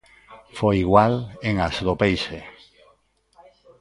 Foi igual en As do Peixe.